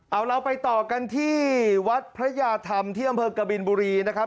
เอาเราไปต่อกันที่วัดพระยาธรรมที่อำเภอกบินบุรีนะครับ